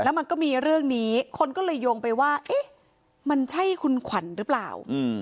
มันก็มีเรื่องนี้คนก็เลยโยงไปว่าเอ๊ะมันใช่คุณขวัญหรือเปล่า